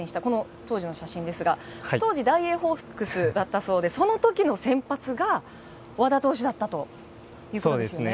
当時の写真ですが当時はダイエーホークスだったそうでその時の先発が和田投手だったということですね。